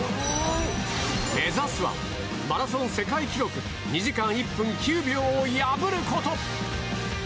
目指すはマラソン世界記録２時間１分９秒を破ること。